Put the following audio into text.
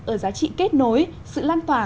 ở giá trị kết nối sự lan tỏa